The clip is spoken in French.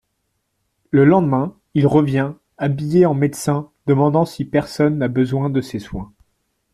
Le lendemain, il revient, habillé en médecin, demandant si personne n'a besoin de ses soins.